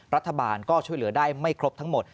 รัฐบาลก็ช่วยเหลือได้ไม่ครบทั้งหมด